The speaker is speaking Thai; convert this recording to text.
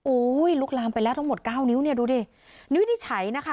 ลุกลามไปแล้วทั้งหมดเก้านิ้วเนี่ยดูดินิ้ววินิจฉัยนะคะ